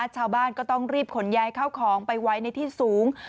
ชาวบ้านก็ต้องรีบขนย้ายเข้าของไปไว้ในที่สูง